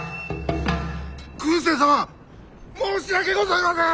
空誓様申し訳ございません！